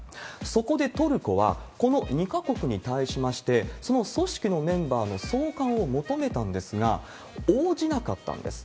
そこでトルコはこの２か国に対しまして、その組織のメンバーの送還を求めたんですが、応じなかったんです。